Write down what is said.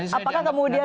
iya apakah kemudian